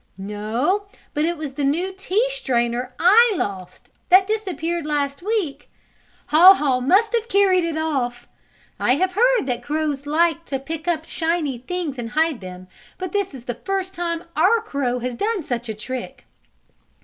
"No, but it was the new tea strainer I lost. That disappeared last week. Haw Haw must have carried it off. I have heard that crows like to pick up shiny things and hide them, but this is the first time our crow had done such a trick."